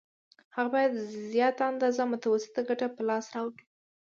هغه باید زیاته اندازه متوسطه ګټه په لاس راوړي